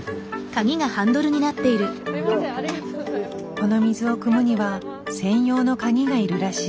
この水をくむには専用のカギがいるらしい。